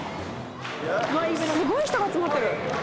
すごい人が集まってる。